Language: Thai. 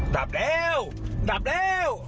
ดับแล้วดับแล้ว